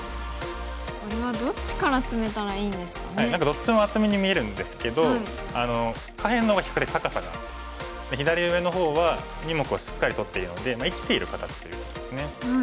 どっちも厚みに見えるんですけど下辺のはしっかり高さが左上の方は２目をしっかり取っているので生きている形ということですね。